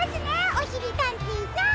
おしりたんていさん。